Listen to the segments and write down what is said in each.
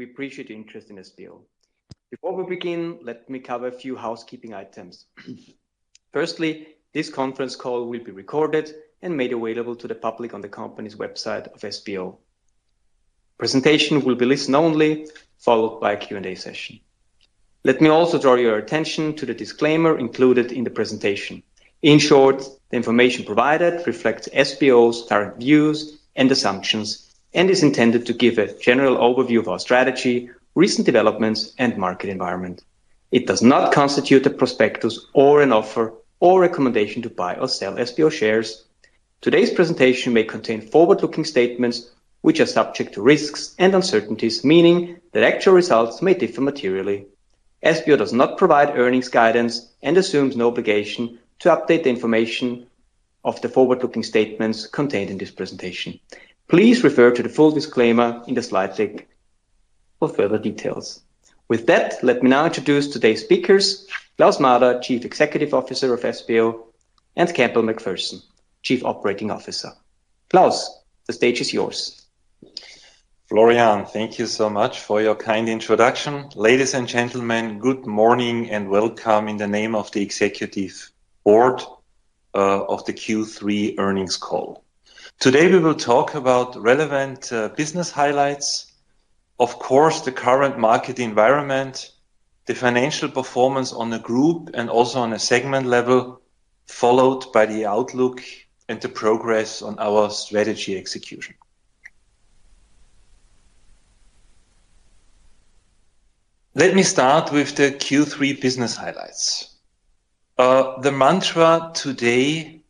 We appreciate the interest in SBO. Before we begin, let me cover a few housekeeping items. Firstly, this conference call will be recorded and made available to the public on the company's website of SBO. Presentation will be listen only, followed by a Q&A session. Let me also draw your attention to the disclaimer included in the presentation. In short, the information provided reflects SBO's current views and assumptions and is intended to give a general overview of our strategy, recent developments, and market environment. It does not constitute a prospectus or an offer or recommendation to buy or sell SBO shares. Today's presentation may contain forward-looking statements, which are subject to risks and uncertainties, meaning that actual results may differ materially. SBO does not provide earnings guidance and assumes no obligation to update the information of the forward-looking statements contained in this presentation. Please refer to the full disclaimer in the slide deck for further details. With that, let me now introduce today's speakers: Klaus Mader, Chief Executive Officer of SBO, and Campbell McPherson, Chief Operating Officer. Klaus, the stage is yours. Florian, thank you so much for your kind introduction. Ladies and gentlemen, good morning and welcome in the name of the Executive Board of the Q3 earnings call. Today we will talk about relevant business highlights, of course, the current market environment, the financial performance on the group and also on a segment level, followed by the outlook and the progress on our strategy execution. Let me start with the Q3 business highlights. The mantra today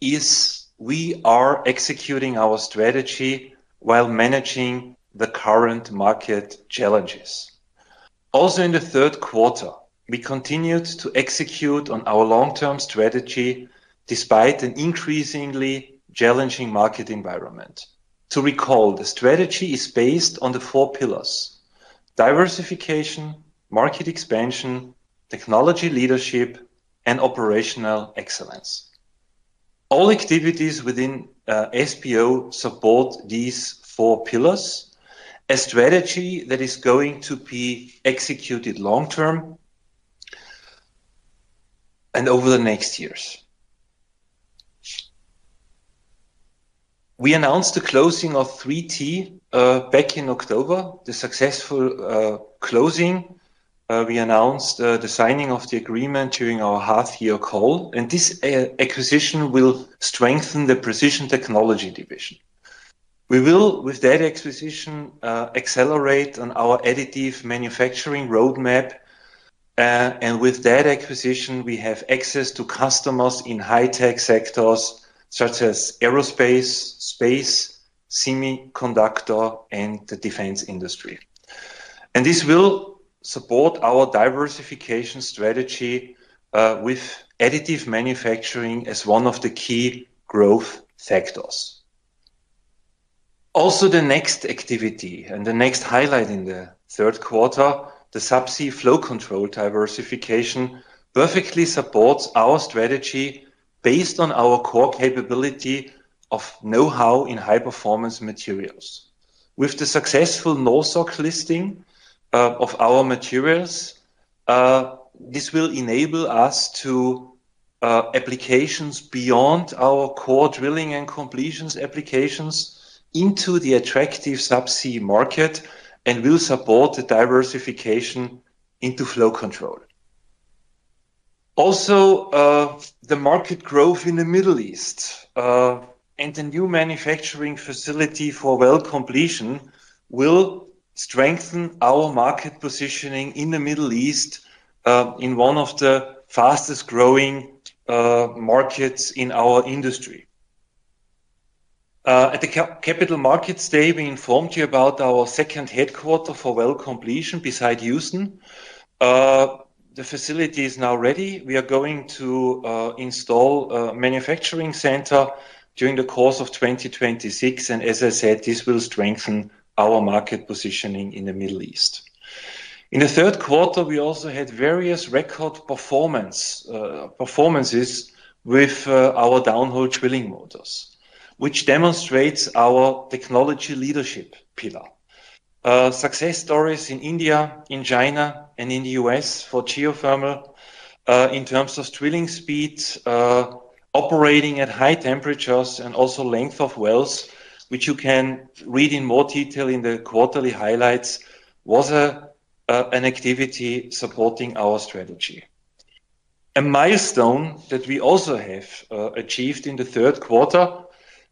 is, we are executing our strategy while managing the current market challenges. Also, in the third quarter, we continued to execute on our long-term strategy despite an increasingly challenging market environment. To recall, the strategy is based on the four pillars: diversification, market expansion, technology leadership, and operational excellence. All activities within SBO support these four pillars, a strategy that is going to be executed long-term and over the next years. We announced the closing of 3T back in October, the successful closing. We announced the signing of the agreement during our half-year call, and this acquisition will strengthen the precision technology division. We will, with that acquisition, accelerate on our additive manufacturing roadmap, and with that acquisition, we have access to customers in high-tech sectors such as aerospace, space, semiconductor, and the defense industry. This will support our diversification strategy with additive manufacturing as one of the key growth factors. Also, the next activity and the next highlight in the third quarter, the subsea flow control diversification, perfectly supports our strategy based on our core capability of know-how in high-performance materials. With the successful No-SOC listing of our materials, this will enable us to applications beyond our core drilling and completions applications into the attractive subsea market and will support the diversification into flow control. Also, the market growth in the Middle East and the new manufacturing facility for well completion will strengthen our market positioning in the Middle East in one of the fastest-growing markets in our industry. At the Capital Markets Day, we informed you about our second headquarter for well completion beside Houston. The facility is now ready. We are going to install a manufacturing center during the course of 2026, and as I said, this will strengthen our market positioning in the Middle East. In the third quarter, we also had various record performances with our downhole drilling motors, which demonstrates our technology leadership pillar. Success stories in India, in China, and in the US for geothermal in terms of drilling speeds, operating at high temperatures, and also length of wells, which you can read in more detail in the quarterly highlights, was an activity supporting our strategy. A milestone that we also have achieved in the third quarter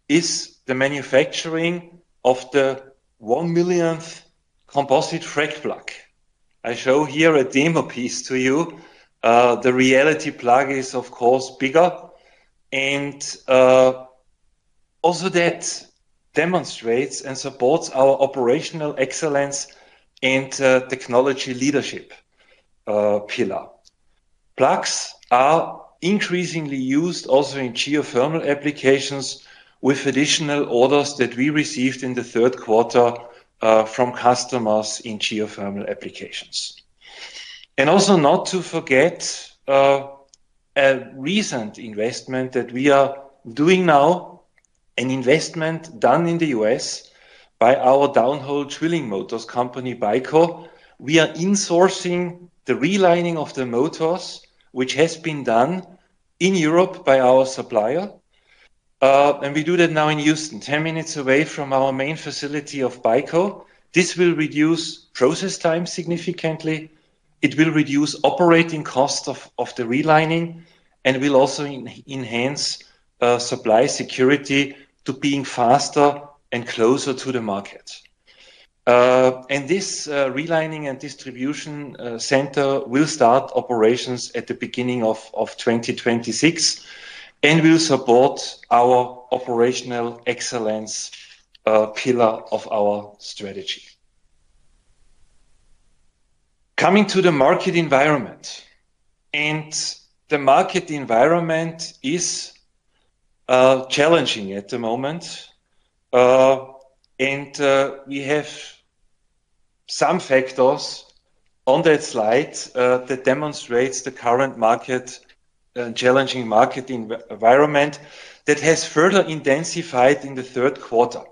is the manufacturing of the one millionth composite frac plug. I show here a demo piece to you. The reality plug is, of course, bigger, and also that demonstrates and supports our operational excellence and technology leadership pillar. Plugs are increasingly used also in geothermal applications with additional orders that we received in the third quarter from customers in geothermal applications. Also not to forget a recent investment that we are doing now, an investment done in the US by our downhole drilling motors company, Byko. We are insourcing the relining of the motors, which has been done in Europe by our supplier, and we do that now in Houston, 10 minutes away from our main facility of Byko. This will reduce process time significantly. It will reduce operating costs of the relining and will also enhance supply security to being faster and closer to the market. This relining and distribution center will start operations at the beginning of 2026 and will support our operational excellence pillar of our strategy. Coming to the market environment, the market environment is challenging at the moment, and we have some factors on that slide that demonstrate the current market, challenging market environment that has further intensified in the third quarter.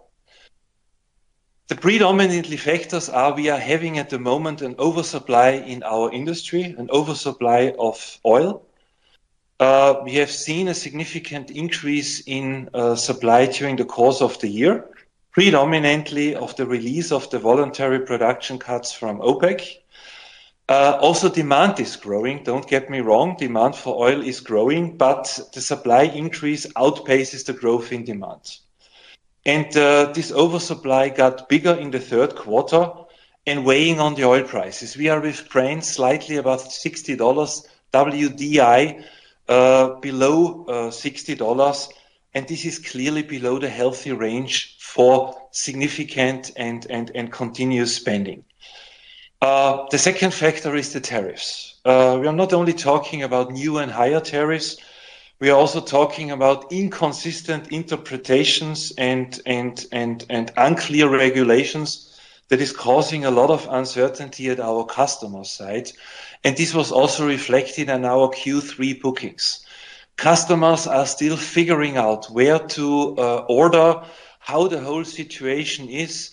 The predominant factors are we are having at the moment an oversupply in our industry, an oversupply of oil. We have seen a significant increase in supply during the course of the year, predominantly of the release of the voluntary production cuts from OPEC. Also, demand is growing. Don't get me wrong, demand for oil is growing, but the supply increase outpaces the growth in demand. This oversupply got bigger in the third quarter and is weighing on the oil prices. We are with Brent slightly above $60, WDI below $60, and this is clearly below the healthy range for significant and continuous spending. The second factor is the tariffs. We are not only talking about new and higher tariffs. We are also talking about inconsistent interpretations and unclear regulations that are causing a lot of uncertainty at our customer side. This was also reflected in our Q3 bookings. Customers are still figuring out where to order, how the whole situation is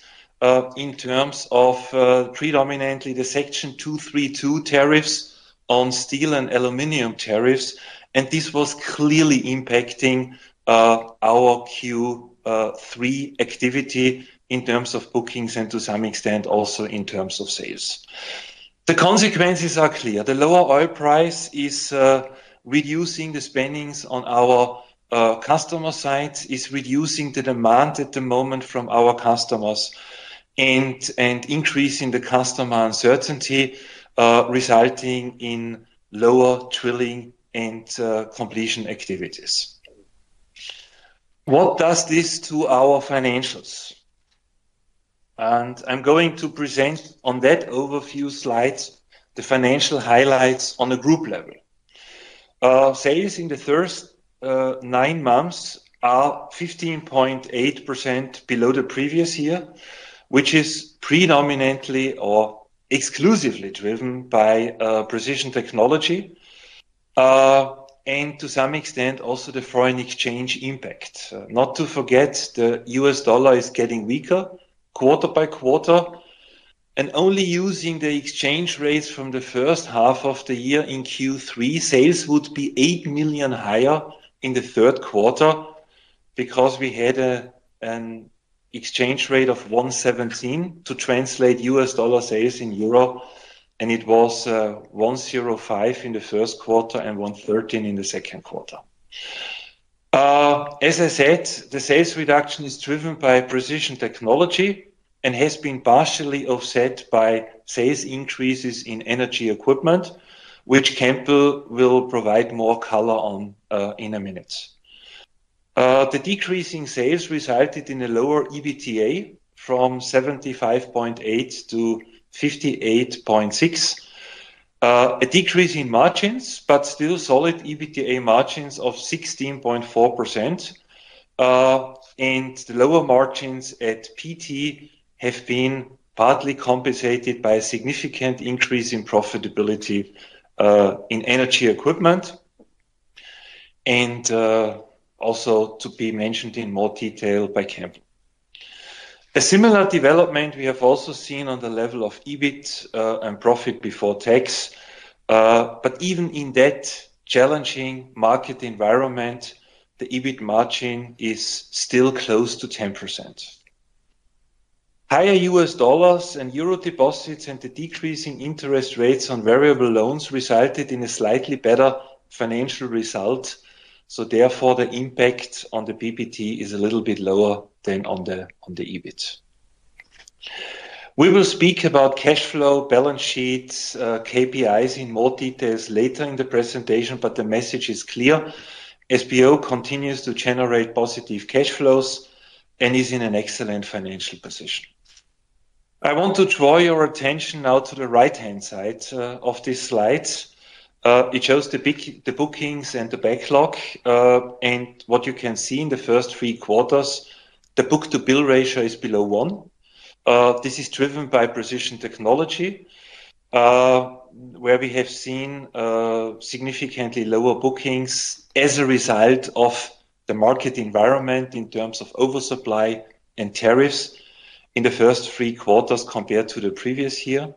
in terms of predominantly the Section 232 tariffs on steel and aluminum tariffs, and this was clearly impacting our Q3 activity in terms of bookings and to some extent also in terms of sales. The consequences are clear. The lower oil price is reducing the spendings on our customer side, is reducing the demand at the moment from our customers, and increasing the customer uncertainty, resulting in lower drilling and completion activities. What does this do to our financials? I am going to present on that overview slide the financial highlights on a group level. Sales in the first nine months are 15.8% below the previous year, which is predominantly or exclusively driven by precision technology and to some extent also the foreign exchange impact. Not to forget, the US dollar is getting weaker quarter by quarter, and only using the exchange rates from the first half of the year in Q3, sales would be $8 million higher in the third quarter because we had an exchange rate of 1.17 to translate US dollar sales in euro, and it was 1.05 in the first quarter and 1.13 in the second quarter. As I said, the sales reduction is driven by precision technology and has been partially offset by sales increases in energy equipment, which Campbell will provide more color on in a minute. The decrease in sales resulted in a lower EBITDA from 75.8 million to 58.6 million, a decrease in margins, but still solid EBITDA margins of 16.4%, and the lower margins at PT have been partly compensated by a significant increase in profitability in energy equipment, and also to be mentioned in more detail by Campbell. A similar development we have also seen on the level of EBIT and profit before tax, but even in that challenging market environment, the EBIT margin is still close to 10%. Higher US dollar and euro deposits and the decrease in interest rates on variable loans resulted in a slightly better financial result, so therefore the impact on the profit before tax is a little bit lower than on the EBIT. We will speak about cash flow, balance sheets, KPIs in more detail later in the presentation, but the message is clear. SBO continues to generate positive cash flows and is in an excellent financial position. I want to draw your attention now to the right-hand side of this slide. It shows the bookings and the backlog, and what you can see in the first three quarters, the book-to-bill ratio is below one. This is driven by precision technology, where we have seen significantly lower bookings as a result of the market environment in terms of oversupply and tariffs in the first three quarters compared to the previous year.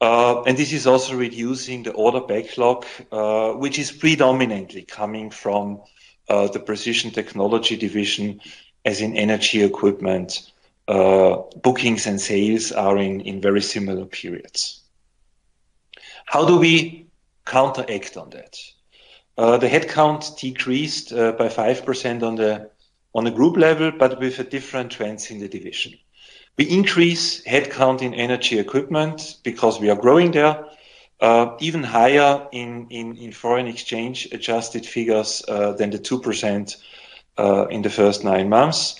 This is also reducing the order backlog, which is predominantly coming from the precision technology division, as in energy equipment, bookings and sales are in very similar periods. How do we counteract on that? The headcount decreased by 5% on the group level, but with a different trend in the division. We increase headcount in energy equipment because we are growing there, even higher in foreign exchange adjusted figures than the 2% in the first nine months.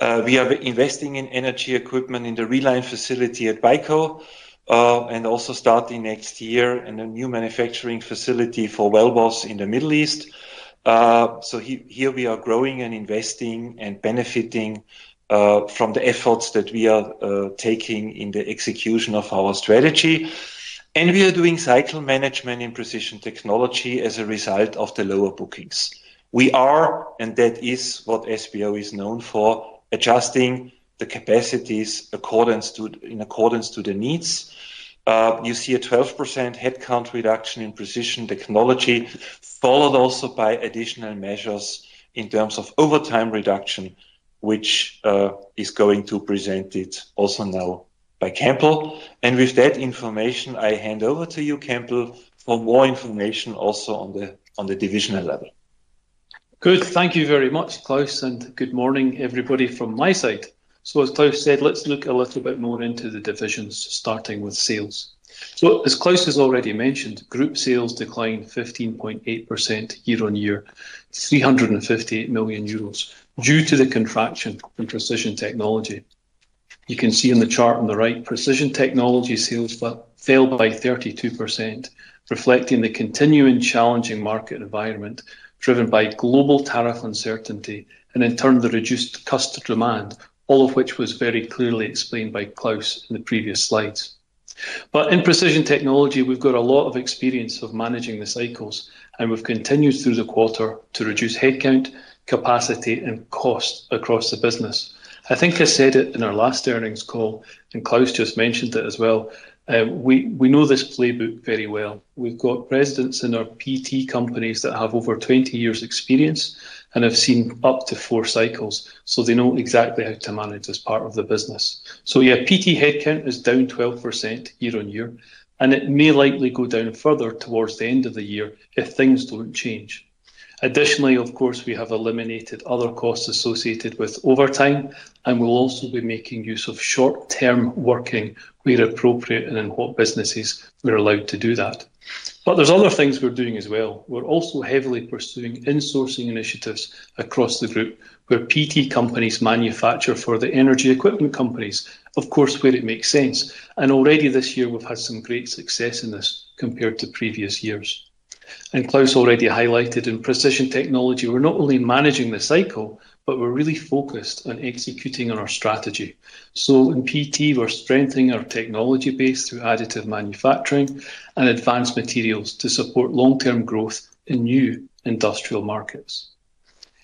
We are investing in energy equipment in the reline facility at Byko, also starting next year in a new manufacturing facility for Wellbos in the Middle East. Here we are growing and investing and benefiting from the efforts that we are taking in the execution of our strategy. We are doing cycle management in precision technology as a result of the lower bookings. We are, and that is what SBO is known for, adjusting the capacities in accordance to the needs. You see a 12% headcount reduction in precision technology, followed also by additional measures in terms of overtime reduction, which is going to be presented also now by Campbell. With that information, I hand over to you, Campbell, for more information also on the divisional level. Good. Thank you very much, Klaus, and good morning, everybody from my side. As Klaus said, let's look a little bit more into the divisions, starting with sales. As Klaus has already mentioned, group sales declined 15.8% year-on-year, 358 million euros, due to the contraction in precision technology. You can see in the chart on the right, precision technology sales fell by 32%, reflecting the continuing challenging market environment driven by global tariff uncertainty and in turn the reduced customer demand, all of which was very clearly explained by Klaus in the previous slides. In precision technology, we've got a lot of experience of managing the cycles, and we've continued through the quarter to reduce headcount, capacity, and cost across the business. I think I said it in our last earnings call, and Klaus just mentioned it as well. We know this playbook very well. We've got residents in our PT companies that have over 20 years' experience and have seen up to four cycles, so they know exactly how to manage this part of the business. Yeah, PT headcount is down 12% year-on-year, and it may likely go down further towards the end of the year if things don't change. Additionally, of course, we have eliminated other costs associated with overtime, and we'll also be making use of short-term working where appropriate and in what businesses we're allowed to do that. There's other things we're doing as well. We're also heavily pursuing insourcing initiatives across the group where PT companies manufacture for the energy equipment companies, of course, where it makes sense. Already this year, we've had some great success in this compared to previous years. Klaus already highlighted in precision technology, we're not only managing the cycle, but we're really focused on executing on our strategy. In PT, we're strengthening our technology base through additive manufacturing and advanced materials to support long-term growth in new industrial markets.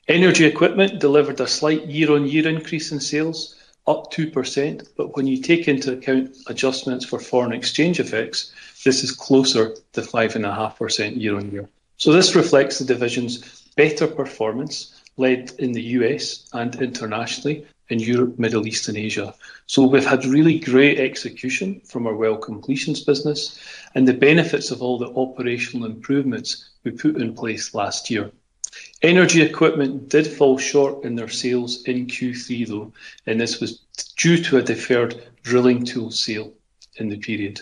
Energy equipment delivered a slight year-on-year increase in sales, up 2%, but when you take into account adjustments for foreign exchange effects, this is closer to 5.5% year-on-year. This reflects the division's better performance led in the US and internationally in Europe, Middle East, and Asia. We've had really great execution from our well completions business and the benefits of all the operational improvements we put in place last year. Energy equipment did fall short in their sales in Q3, though, and this was due to a deferred drilling tool sale in the period.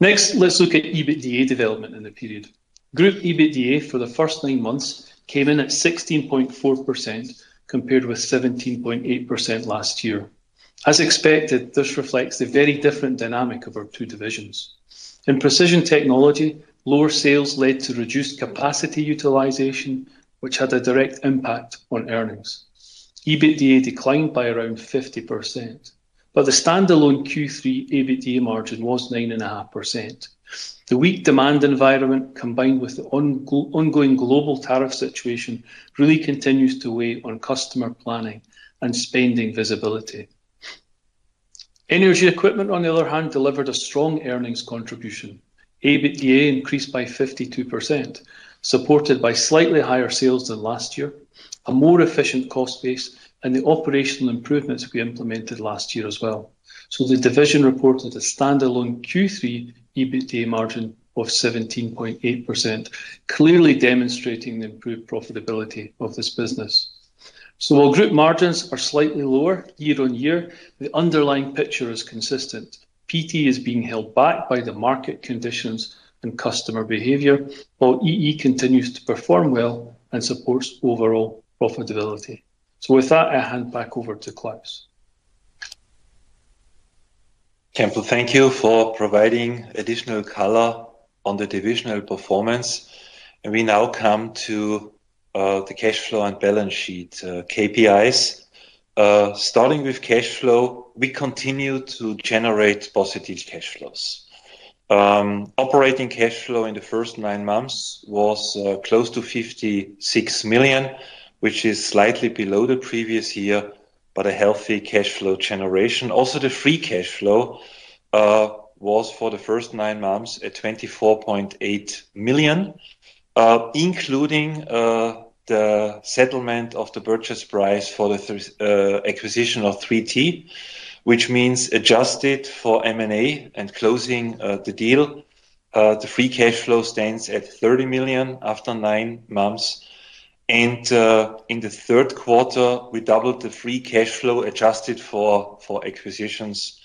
Next, let's look at EBITDA development in the period. Group EBITDA for the first nine months came in at 16.4% compared with 17.8% last year. As expected, this reflects the very different dynamic of our two divisions. In precision technology, lower sales led to reduced capacity utilization, which had a direct impact on earnings. EBITDA declined by around 50%, but the standalone Q3 EBITDA margin was 9.5%. The weak demand environment combined with the ongoing global tariff situation really continues to weigh on customer planning and spending visibility. Energy equipment, on the other hand, delivered a strong earnings contribution. EBITDA increased by 52%, supported by slightly higher sales than last year, a more efficient cost base, and the operational improvements we implemented last year as well. The division reported a standalone Q3 EBITDA margin of 17.8%, clearly demonstrating the improved profitability of this business. While group margins are slightly lower year-on-year, the underlying picture is consistent. PT is being held back by the market conditions and customer behavior, while EE continues to perform well and supports overall profitability. With that, I hand back over to Klaus. Campbell, thank you for providing additional color on the divisional performance. We now come to the cash flow and balance sheet KPIs. Starting with cash flow, we continue to generate positive cash flows. Operating cash flow in the first nine months was close to 56 million, which is slightly below the previous year, but a healthy cash flow generation. Also, the free cash flow was for the first nine months at 24.8 million, including the settlement of the purchase price for the acquisition of 3T, which means adjusted for M&A and closing the deal. The free cash flow stands at 30 million after nine months. In the third quarter, we doubled the free cash flow adjusted for acquisitions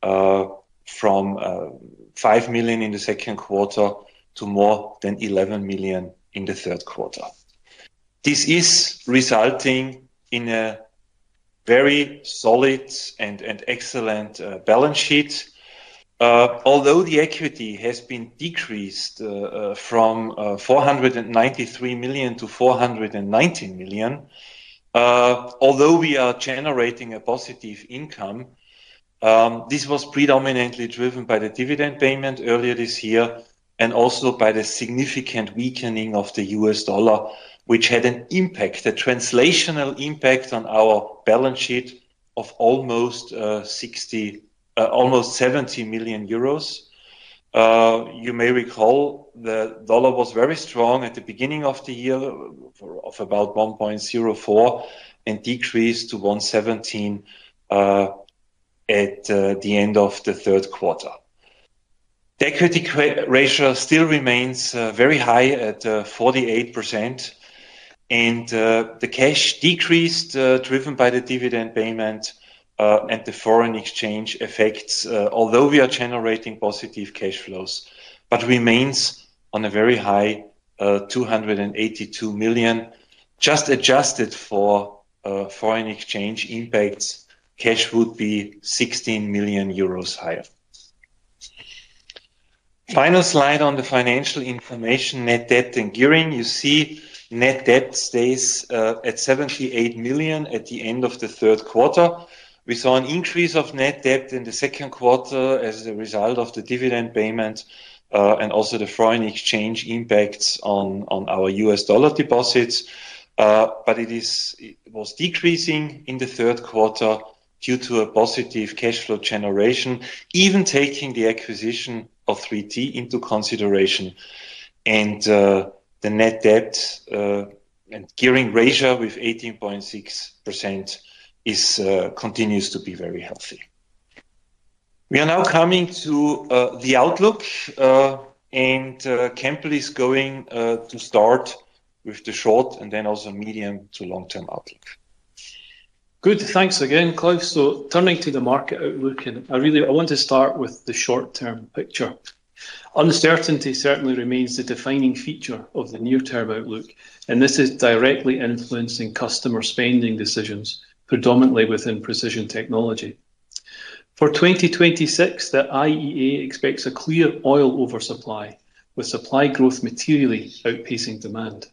from 5 million in the second quarter to more than 11 million in the third quarter. This is resulting in a very solid and excellent balance sheet. Although the equity has been decreased from 493 million to 419 million, although we are generating a positive income, this was predominantly driven by the dividend payment earlier this year and also by the significant weakening of the US dollar, which had an impact, a translational impact on our balance sheet of almost 70 million euros. You may recall the dollar was very strong at the beginning of the year at about $1.04 and decreased to $1.17 at the end of the third quarter. The equity ratio still remains very high at 48%, and the cash decreased driven by the dividend payment and the foreign exchange effects, although we are generating positive cash flows, but remains on a very high 282 million. Just adjusted for foreign exchange impacts, cash would be 16 million euros higher. Final slide on the financial information, net debt and gearing. You see net debt stays at 78 million at the end of the third quarter. We saw an increase of net debt in the second quarter as a result of the dividend payment and also the foreign exchange impacts on our US dollar deposits, but it was decreasing in the third quarter due to a positive cash flow generation, even taking the acquisition of 3T into consideration. The net debt and gearing ratio with 18.6% continues to be very healthy. We are now coming to the outlook, and Campbell is going to start with the short and then also medium to long-term outlook. Good. Thanks again, Klaus. Turning to the market outlook, I want to start with the short-term picture. Uncertainty certainly remains the defining feature of the near-term outlook, and this is directly influencing customer spending decisions, predominantly within precision technology. For 2026, the IEA expects a clear oil oversupply, with supply growth materially outpacing demand.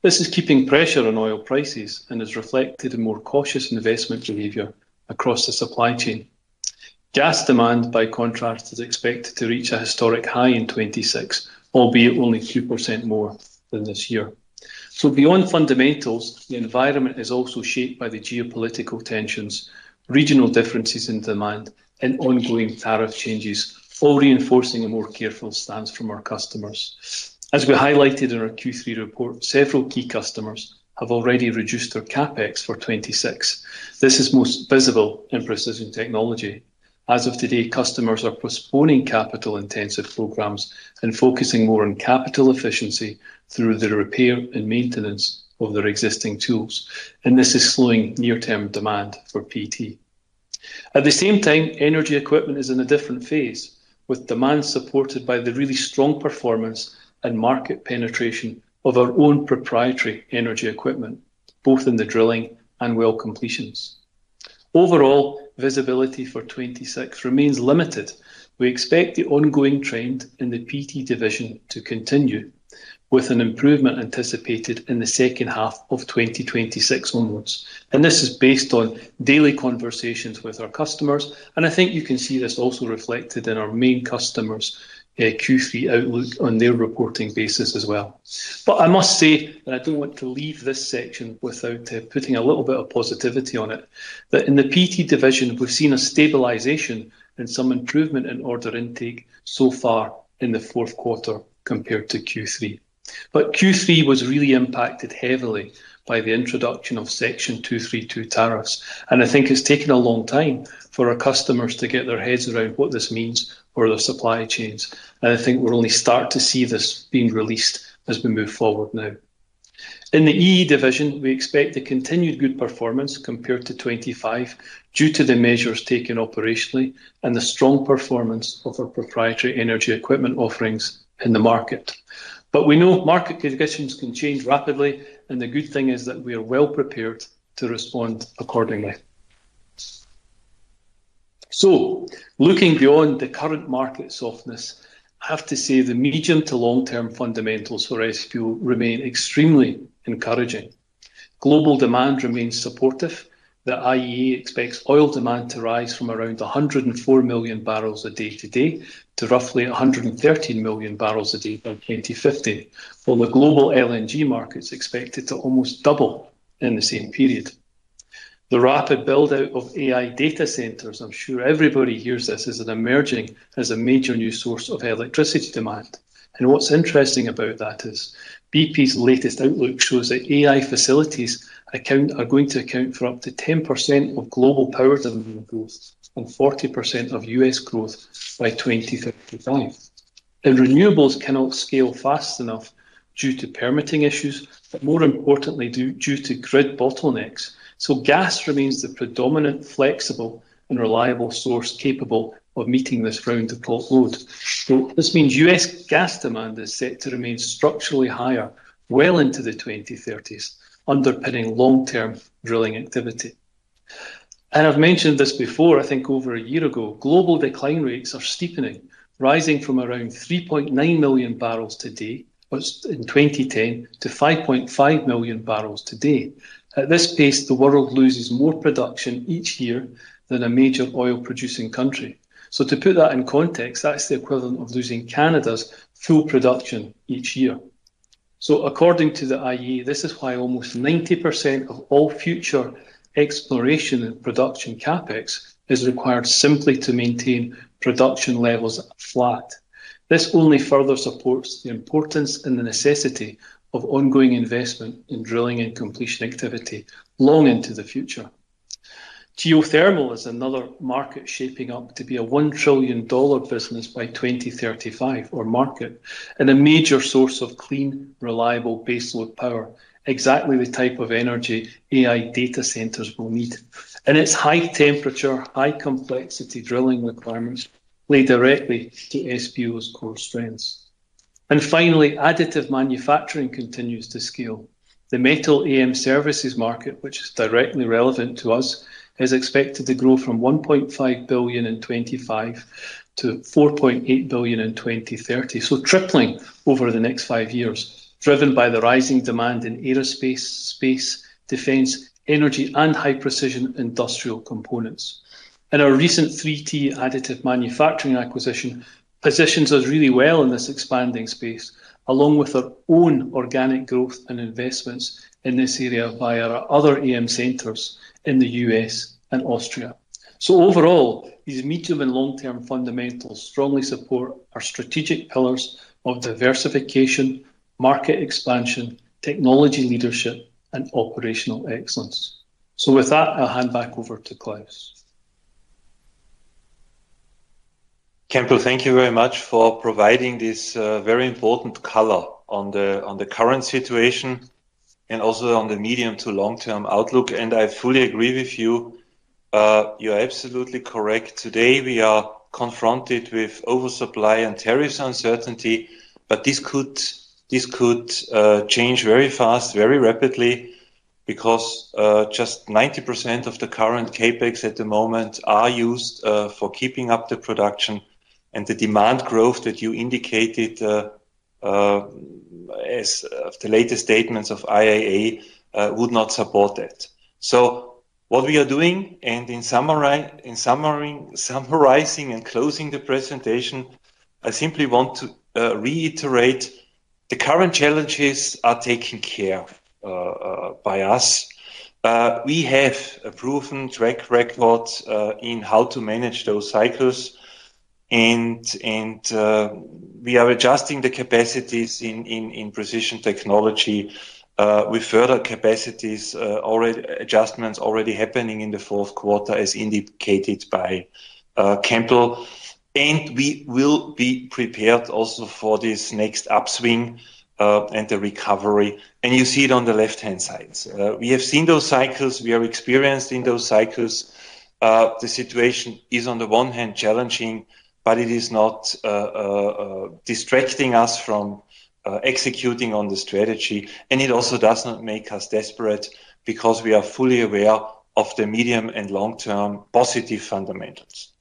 This is keeping pressure on oil prices and is reflected in more cautious investment behavior across the supply chain. Gas demand, by contrast, is expected to reach a historic high in 2026, albeit only 2% more than this year. Beyond fundamentals, the environment is also shaped by the geopolitical tensions, regional differences in demand, and ongoing tariff changes, all reinforcing a more careful stance from our customers. As we highlighted in our Q3 report, several key customers have already reduced their CapEx for 2026. This is most visible in precision technology. As of today, customers are postponing capital-intensive programs and focusing more on capital efficiency through the repair and maintenance of their existing tools, and this is slowing near-term demand for PT. At the same time, energy equipment is in a different phase, with demand supported by the really strong performance and market penetration of our own proprietary energy equipment, both in the drilling and well completions. Overall, visibility for 2026 remains limited. We expect the ongoing trend in the PT division to continue, with an improvement anticipated in the second half of 2026 onwards. This is based on daily conversations with our customers, and I think you can see this also reflected in our main customers' Q3 outlook on their reporting basis as well. I must say, I do not want to leave this section without putting a little bit of positivity on it, that in the PT division, we have seen a stabilization and some improvement in order intake so far in the fourth quarter compared to Q3. Q3 was really impacted heavily by the introduction of Section 232 tariffs, and I think it's taken a long time for our customers to get their heads around what this means for their supply chains. I think we're only starting to see this being released as we move forward now. In the EE division, we expect a continued good performance compared to 2025 due to the measures taken operationally and the strong performance of our proprietary energy equipment offerings in the market. We know market conditions can change rapidly, and the good thing is that we are well prepared to respond accordingly. Looking beyond the current market softness, I have to say the medium to long-term fundamentals for SBO remain extremely encouraging. Global demand remains supportive. The IEA expects oil demand to rise from around 104 million barrels a day today to roughly 113 million barrels a day by 2050, while the global LNG market is expected to almost double in the same period. The rapid build-out of AI data centers, I'm sure everybody hears this as emerging as a major new source of electricity demand. What's interesting about that is BP's latest outlook shows that AI facilities are going to account for up to 10% of global power demand growth and 40% of US growth by 2035. Renewables cannot scale fast enough due to permitting issues, but more importantly, due to grid bottlenecks. Gas remains the predominant flexible and reliable source capable of meeting this round of load. This means US gas demand is set to remain structurally higher well into the 2030s, underpinning long-term drilling activity. I've mentioned this before, I think over a year ago, global decline rates are steepening, rising from around 3.9 million barrels in 2010 to 5.5 million barrels today. At this pace, the world loses more production each year than a major oil-producing country. To put that in context, that's the equivalent of losing Canada's fuel production each year. According to the IEA, this is why almost 90% of all future exploration and production CapEx is required simply to maintain production levels flat. This only further supports the importance and the necessity of ongoing investment in drilling and completion activity long into the future. Geothermal is another market shaping up to be a $1 trillion business by 2035, and a major source of clean, reliable baseload power, exactly the type of energy AI data centers will need. Its high temperature, high complexity drilling requirements play directly to SBO's core strengths. Finally, additive manufacturing continues to scale. The metal AM services market, which is directly relevant to us, is expected to grow from $1.5 billion in 2025 to $4.8 billion in 2030, tripling over the next five years, driven by the rising demand in aerospace, defense, energy, and high-precision industrial components. Our recent 3T Additive Manufacturing acquisition positions us really well in this expanding space, along with our own organic growth and investments in this area via our other AM centers in the US and Austria. Overall, these medium and long-term fundamentals strongly support our strategic pillars of diversification, market expansion, technology leadership, and operational excellence. With that, I'll hand back over to Klaus. Campbell, thank you very much for providing this very important color on the current situation and also on the medium to long-term outlook. I fully agree with you. You're absolutely correct. Today, we are confronted with oversupply and tariffs uncertainty, but this could change very fast, very rapidly, because just 90% of the current CapEx at the moment are used for keeping up the production. The demand growth that you indicated as of the latest statements of IEA would not support that. What we are doing, and in summarizing and closing the presentation, I simply want to reiterate the current challenges are taken care of by us. We have a proven track record in how to manage those cycles, and we are adjusting the capacities in precision technology with further capacities, adjustments already happening in the fourth quarter, as indicated by Campbell. We will be prepared also for this next upswing and the recovery. You see it on the left-hand side. We have seen those cycles. We are experienced in those cycles. The situation is, on the one hand, challenging, but it is not distracting us from executing on the strategy. It also does not make us desperate because we are fully aware of the medium and long-term positive fundamentals.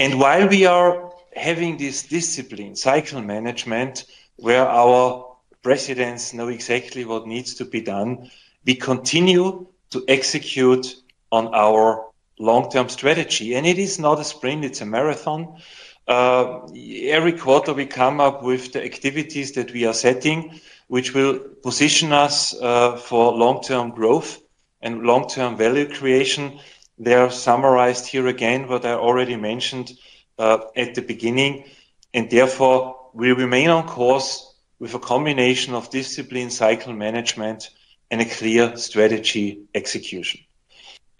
While we are having this discipline, cycle management, where our presidents know exactly what needs to be done, we continue to execute on our long-term strategy. It is not a sprint. It's a marathon. Every quarter, we come up with the activities that we are setting, which will position us for long-term growth and long-term value creation. They are summarized here again, what I already mentioned at the beginning. Therefore, we remain on course with a combination of discipline, cycle management, and a clear strategy execution.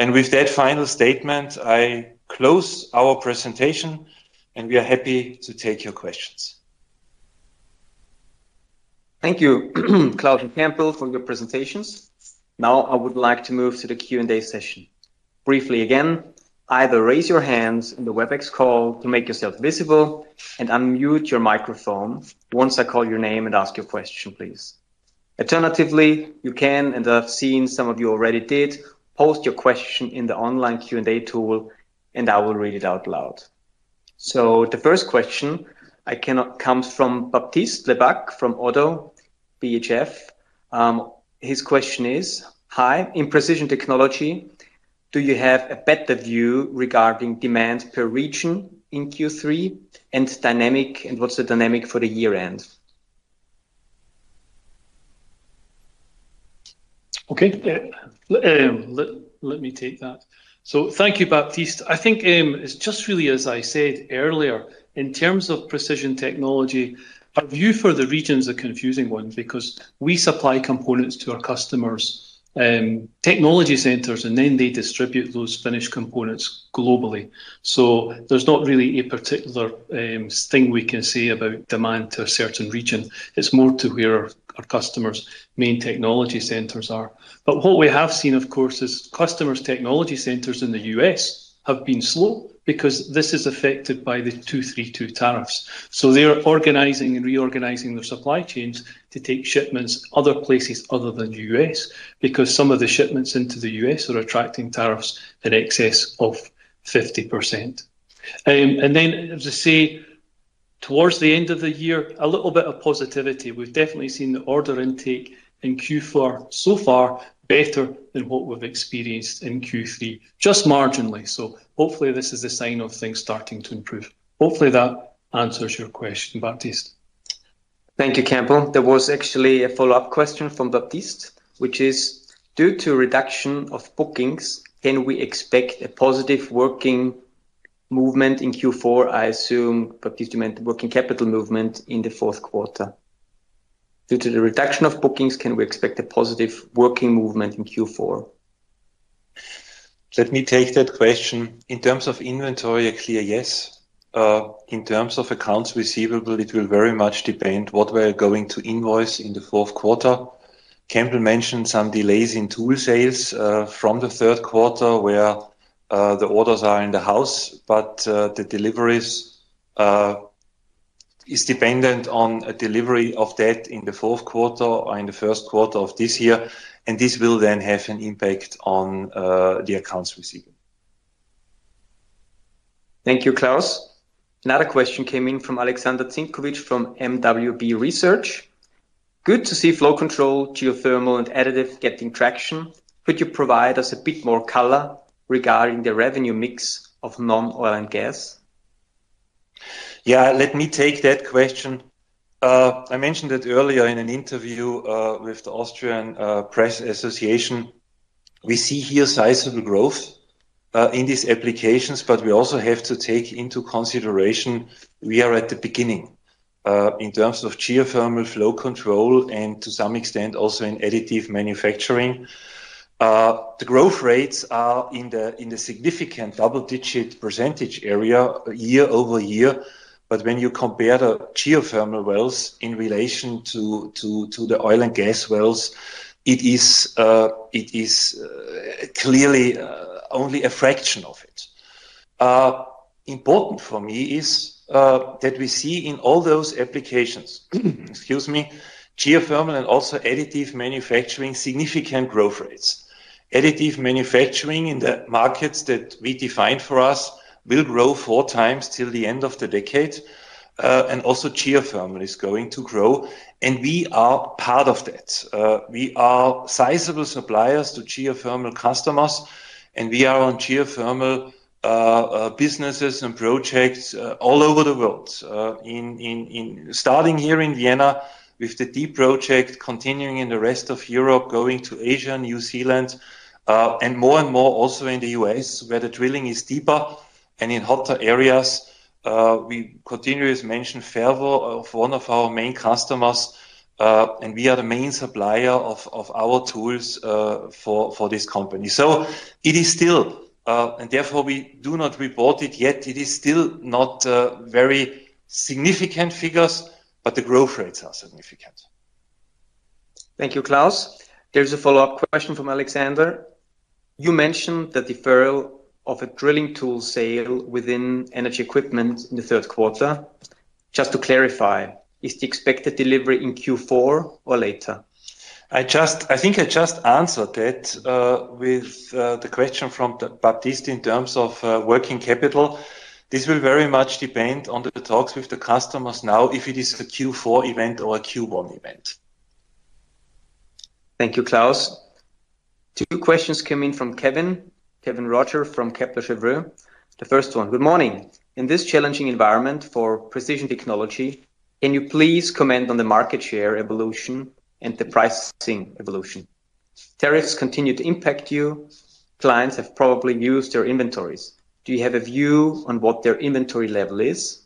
With that final statement, I close our presentation, and we are happy to take your questions. Thank you, Klaus and Campbell, for your presentations. Now, I would like to move to the Q&A session. Briefly again, either raise your hands in the WebEx call to make yourself visible and unmute your microphone once I call your name and ask your question, please. Alternatively, you can, and I have seen some of you already did, post your question in the online Q&A tool, and I will read it out loud. The first question comes from Baptiste Lebac from Oddo BHF. His question is, "Hi, in precision technology, do you have a better view regarding demands per region in Q3 and dynamic, and what is the dynamic for the year end?" Okay. Let me take that. Thank you, Baptiste. I think it's just really, as I said earlier, in terms of precision technology, our view for the regions is a confusing one because we supply components to our customers' technology centers, and then they distribute those finished components globally. There's not really a particular thing we can say about demand to a certain region. It's more to where our customers' main technology centers are. What we have seen, of course, is customers' technology centers in the US have been slow because this is affected by the 232 tariffs. They are organizing and reorganizing their supply chains to take shipments other places other than the US because some of the shipments into the US are attracting tariffs in excess of 50%. As I say, towards the end of the year, a little bit of positivity. We've definitely seen the order intake in Q4 so far better than what we've experienced in Q3, just marginally. Hopefully, this is a sign of things starting to improve. Hopefully, that answers your question, Baptiste. Thank you, Campbell. There was actually a follow-up question from Baptiste, which is, "Due to reduction of bookings, can we expect a positive working movement in Q4?" I assume, Baptiste, you meant the working capital movement in the fourth quarter. Due to the reduction of bookings, can we expect a positive working movement in Q4? Let me take that question. In terms of inventory, a clear yes. In terms of accounts receivable, it will very much depend on what we're going to invoice in the fourth quarter. Campbell mentioned some delays in tool sales from the third quarter where the orders are in the house, but the deliveries are dependent on a delivery of debt in the fourth quarter or in the first quarter of this year, and this will then have an impact on the accounts receivable. Thank you, Klaus. Another question came in from Alexander Tsinkovich from MWB Research. "Good to see flow control, geothermal, and additive getting traction. Could you provide us a bit more color regarding the revenue mix of non-oil and gas?" Yeah, let me take that question. I mentioned it earlier in an interview with the Austrian Press Association. We see here sizable growth in these applications, but we also have to take into consideration we are at the beginning in terms of geothermal flow control and to some extent also in additive manufacturing. The growth rates are in the significant double-digit % area year-over-year, but when you compare the geothermal wells in relation to the oil and gas wells, it is clearly only a fraction of it. Important for me is that we see in all those applications, excuse me, geothermal and also additive manufacturing, significant growth rates. Additive manufacturing in the markets that we defined for us will grow four times till the end of the decade, and also geothermal is going to grow, and we are part of that. We are sizable suppliers to geothermal customers, and we are on geothermal businesses and projects all over the world, starting here in Vienna with the deep project, continuing in the rest of Europe, going to Asia, New Zealand, and more and more also in the US where the drilling is deeper and in hotter areas. We continue, as mentioned, fervor of one of our main customers, and we are the main supplier of our tools for this company. It is still, and therefore we do not report it yet, it is still not very significant figures, but the growth rates are significant. Thank you, Klaus. There is a follow-up question from Alexander. You mentioned the deferral of a drilling tool sale within energy equipment in the third quarter. Just to clarify, is the expected delivery in Q4 or later? I think I just answered that with the question from Baptiste in terms of working capital. This will very much depend on the talks with the customers now if it is a Q4 event or a Q1 event. Thank you, Klaus. Two questions came in from Kevin, Kevin Roger from Kepler Chevreux. The first one, "Good morning. In this challenging environment for precision technology, can you please comment on the market share evolution and the pricing evolution? Tariffs continue to impact you. Clients have probably used their inventories. Do you have a view on what their inventory level is?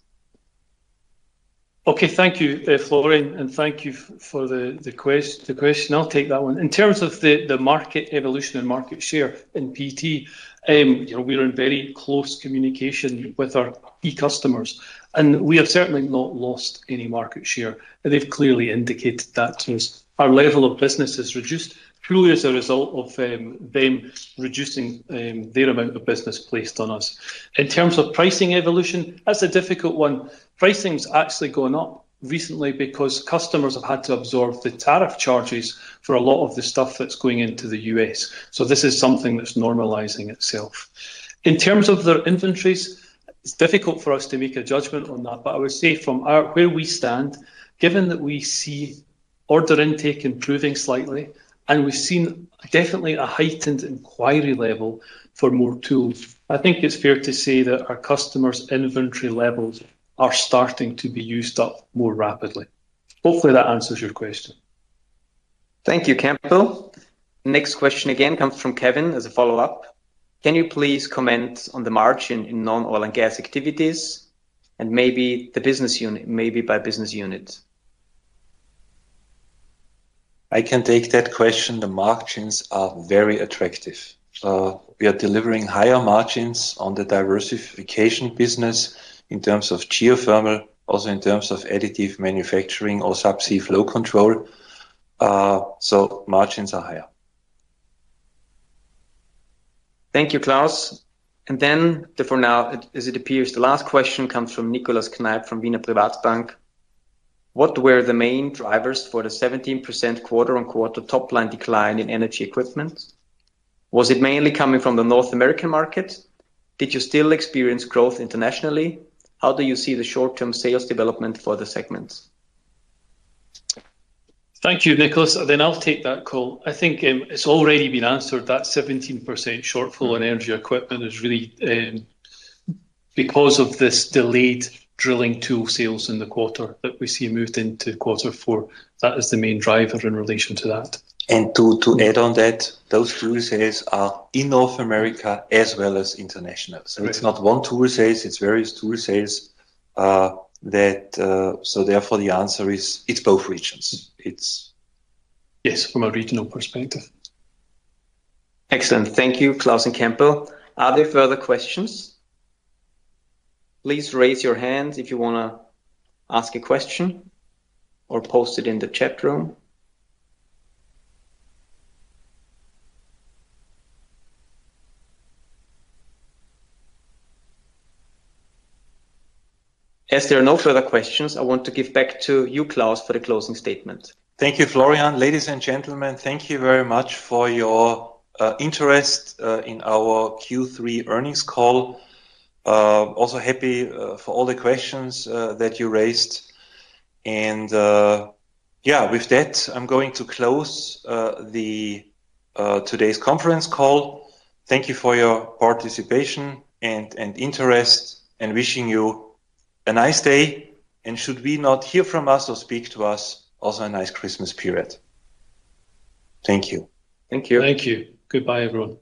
Okay, thank you, Florian, and thank you for the question. I'll take that one. In terms of the market evolution and market share in PT, we are in very close communication with our key customers, and we have certainly not lost any market share. They've clearly indicated that to us. Our level of business has reduced purely as a result of them reducing their amount of business placed on us. In terms of pricing evolution, that's a difficult one. Pricing's actually gone up recently because customers have had to absorb the tariff charges for a lot of the stuff that's going into the U.S. This is something that's normalizing itself. In terms of their inventories, it's difficult for us to make a judgment on that, but I would say from where we stand, given that we see order intake improving slightly, and we've seen definitely a heightened inquiry level for more tools, I think it's fair to say that our customers' inventory levels are starting to be used up more rapidly. Hopefully, that answers your question. Thank you, Campbell. Next question again comes from Kevin as a follow-up. "Can you please comment on the margin in non-oil and gas activities and maybe the business unit, maybe by business unit?" I can take that question. The margins are very attractive. We are delivering higher margins on the diversification business in terms of geothermal, also in terms of additive manufacturing or subsea flow control. Margins are higher. Thank you, Klaus. For now, as it appears, the last question comes from Nicholas Kneipp from Wiener Privatbank. "What were the main drivers for the 17% quarter-on-quarter top-line decline in energy equipment? Was it mainly coming from the North American market? Did you still experience growth internationally? How do you see the short-term sales development for the segments?" Thank you, Nicholas. I will take that call. I think it has already been answered that the 17% shortfall in energy equipment is really because of this delayed drilling tool sales in the quarter that we see moved into quarter four. That is the main driver in relation to that. To add on that, those tool sales are in North America as well as international. It is not one tool sales. It is various tool sales. Therefore, the answer is it is both regions. Yes, from a regional perspective. Excellent. Thank you, Klaus and Campbell. Are there further questions? Please raise your hand if you want to ask a question or post it in the chat room. As there are no further questions, I want to give back to you, Klaus, for the closing statement. Thank you, Florian. Ladies and gentlemen, thank you very much for your interest in our Q3 earnings call. Also happy for all the questions that you raised. Yeah, with that, I'm going to close today's conference call. Thank you for your participation and interest and wishing you a nice day. Should we not hear from us or speak to us, also a nice Christmas period. Thank you. Thank you. Thank you. Goodbye, everyone.